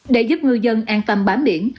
để giúp ngư dân an tâm bám biển